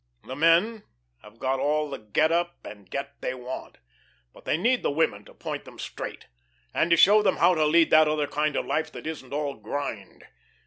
The men have got all the get up and get they want, but they need the women to point them straight, and to show them how to lead that other kind of life that isn't all grind.